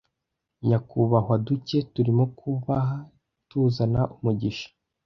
nyakubahwa duke turimo kubaha tuzana umugisha